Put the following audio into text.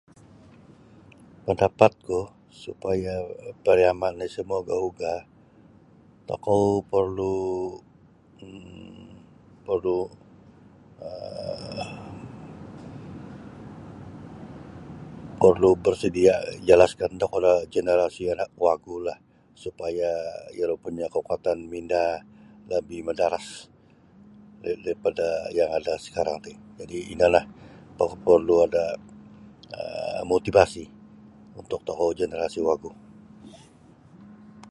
Pandapatku supaya pariama no isa mauga-uga tokou perlu um perlu um perlu um perlu bersedia jalasun tokou lah generasi anak wagulah supaya iro punya kekuatan mminda labih madaras daripada yang ada sakarang ti jadi ino lah perlu ada um motivasi untuk tokou generasi wagu.